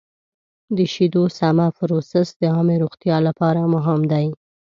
د شیدو سمه پروسس د عامې روغتیا لپاره مهم دی.